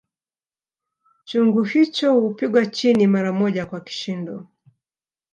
Chungu hicho hupigwa chini mara moja kwa kishindo